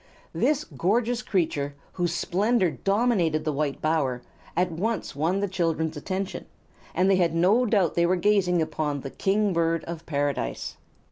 This gorgeous creature, whose splendor dominated the white bower, at once won the children's attention, and they had no doubt they were gazing upon the King Bird of Paradise.